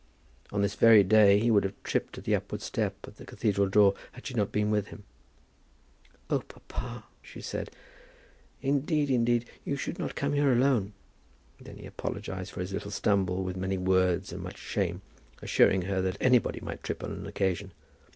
On this very day he would have tripped at the upward step at the cathedral door had she not been with him. "Oh, papa," she said, "indeed, indeed, you should not come here alone." Then he apologized for his little stumble with many words and much shame, assuring her that anybody might trip on an occasion.